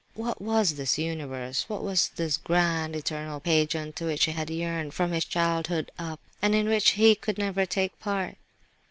What was this universe? What was this grand, eternal pageant to which he had yearned from his childhood up, and in which he could never take part?